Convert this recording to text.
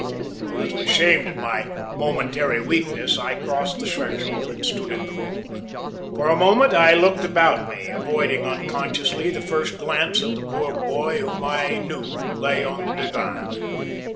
A little ashamed of my momentary weakness, I crossed the threshold and stood in the room. For a moment I looked about me, avoiding unconsciously the first glance at the poor boy whom I knew lay on the divan.